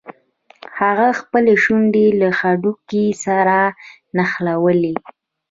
هغه خپلې شونډې له هډوکي سره نښلوي.